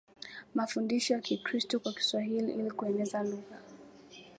mafundisho ya Kikristo kwa Kiswahili ili kuieneza lugha